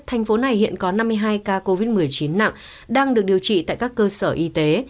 thành phố này hiện có năm mươi hai ca covid một mươi chín nặng đang được điều trị tại các cơ sở y tế